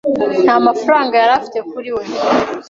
nta mafaranga yari afite kuri we.